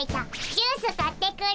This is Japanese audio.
ジュース買ってくる。